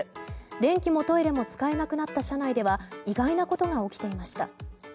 電気もトイレも使えなくなった車内では意外なことが起きていました。